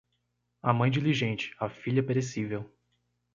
A mãe diligente, a filha perecível.